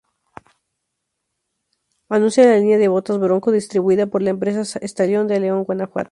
Anuncian la línea de Botas Bronco, distribuida, por la empresa Stallion de León, Guanajuato.